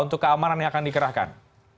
untuk keamanan yang akan dikerahkan